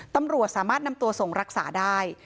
ตำรวจสามารถนำตัวส่งรักษาได้